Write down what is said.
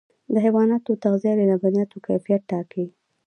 د حیواناتو تغذیه د لبنیاتو کیفیت ټاکي.